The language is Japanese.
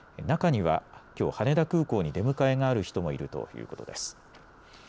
中にはきょう羽田空港に出迎えがある人もいるということです。